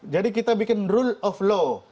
jadi kita bikin rule of law